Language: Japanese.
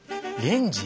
レンジ？